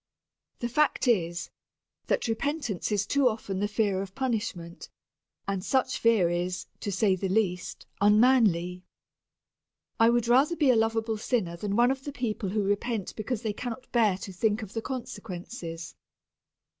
The fact is, that repentance is too often the fear of punishment, and such fear is, to say the least, unmanly. I would rather be a lovable sinner than one of the people who repent because they cannot bear to think of the consequences.